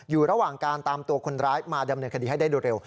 อยู่ระหว่างการตามตัวคนร้ายมาดำเนินคดีให้ได้โดยเร็ว